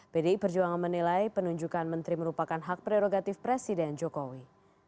pdi perjuangan menilai penunjukan menteri merupakan hak prerogatif presiden jokowi